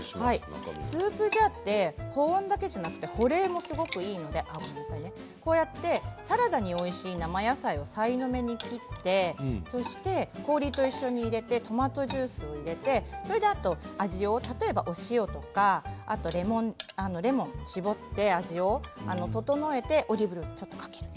スープジャーは保温だけじゃなくて保冷もすごくいいのでさらに、おいしい生野菜をさいの目に切って氷と一緒に入れてトマトジュースを入れてそれで、あと味をね塩とかレモン汁レモンを搾って味を調えてオリーブをちょっとかけるだけ。